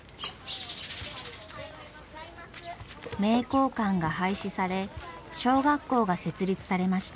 名教館が廃止され小学校が設立されました。